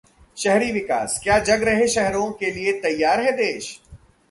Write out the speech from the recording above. शहरी विकास: क्या जग रहे शहरों के लिए तैयार है देश?